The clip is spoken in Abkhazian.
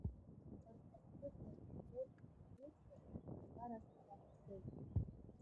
Рхатә џьыбаз урҭ фҩышәо, асакарахь ҳа ҳаргоит.